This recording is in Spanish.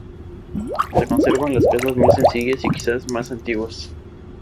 Se conservan las casas más sencillas y quizás más antiguas.